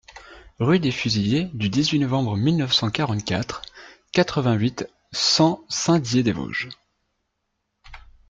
Rue des Fusillés du dix-huit Novembre mille neuf cent quarante-quatre, quatre-vingt-huit, cent Saint-Dié-des-Vosges